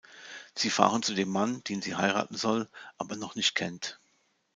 Sie fahren zu dem Mann, den sie heiraten soll, aber noch nicht kennt.